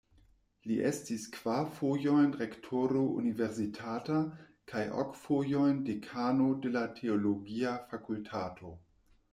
Li estis kvar fojojn rektoro universitata kaj ok fojojn dekano de la teologia fakultato.